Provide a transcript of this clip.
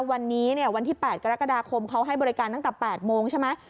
วันนี้วันที่๘กรกฎาคมเขาให้บริการตั้งแต่๘โมงใช่ไหม